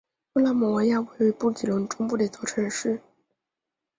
穆拉姆维亚位于布隆迪中部的一座城市。